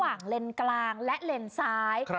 หลังเลนส์กลางและเลนส์ซ้าย